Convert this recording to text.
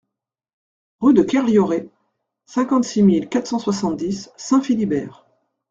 Rue de Kerlioret, cinquante-six mille quatre cent soixante-dix Saint-Philibert